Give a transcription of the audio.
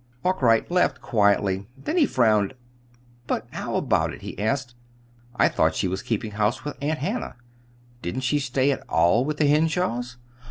Arkwright laughed quietly; then he frowned. "But how about it?" he asked. "I thought she was keeping house with Aunt Hannah. Didn't she stay at all with the Henshaws?"